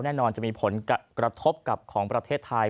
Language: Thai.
แน่นอนจะมีผลกระทบกับของประเทศไทย